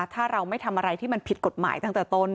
ถ้าเราไม่ทำอะไรที่มันผิดกฎหมายตั้งแต่ต้น